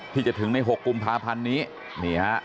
ที่จะถึงใน๖กุมภาพันธ์นี้นี่ฮะ